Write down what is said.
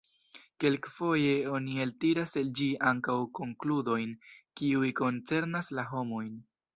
Kelkfoje oni eltiras el ĝi ankaŭ konkludojn, kiuj koncernas la homojn.